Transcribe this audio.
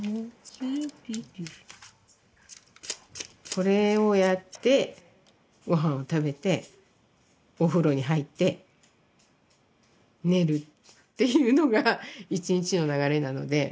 これをやってごはんを食べてお風呂に入って寝るっていうのが一日の流れなので。